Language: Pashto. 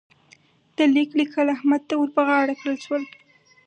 د ليک لیکل احمد ته ور پر غاړه کړل شول.